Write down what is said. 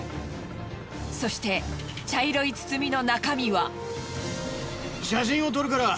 そして茶色い包みの中身は。